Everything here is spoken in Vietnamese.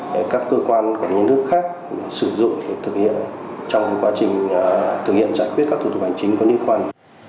để các cơ quan quản lý nước khác sử dụng để thực hiện trong quá trình thực hiện giải quyết các thủ tục hành chính có liên quan